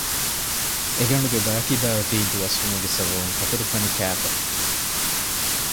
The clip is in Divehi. އެ ގަނޑުގެ ބާކީބައި އޮތީ ދުވަސްވުމުގެ ސަބަބުން ކަތުރުފަނި ކައިފަ